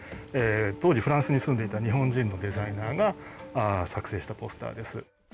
当時フランスに住んでいた日本人のデザイナーが作製したポスターです。